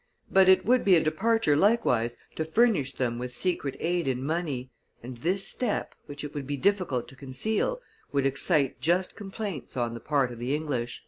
But it would be a departure likewise to furnish then with secret aid in money, and this step, which it would be difficult to conceal, would excite just complaints on the part of the English."